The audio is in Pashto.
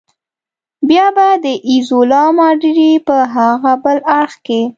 بیا به د ایزولا ماډرې په هاغه بل اړخ کې.